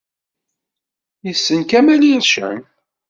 Yessen Kamel Ircen?